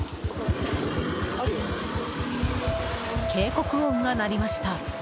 警告音が鳴りました。